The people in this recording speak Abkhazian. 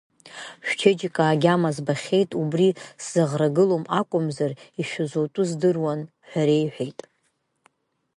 Шәчеиџьыка агьама збахьеит, убри сзаӷрагылом акәымзар, ишәзутәу здыруан ҳәа реиҳәеит.